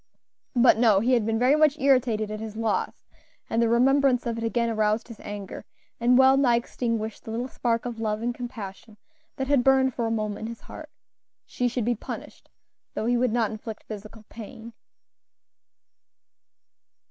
But no, he had been very much irritated at his loss, and the remembrance of it again aroused his anger, and well nigh extinguished the little spark of love and compassion that had burned for a moment in his heart. She should be punished, though he would not inflict physical pain.